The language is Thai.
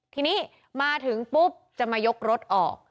ทีนี้มาถึงปุ๊บจะมายกรถออก